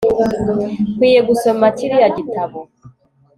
nkwiye gusoma kiriya gitabo